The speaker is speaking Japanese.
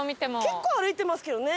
結構歩いてますけどね。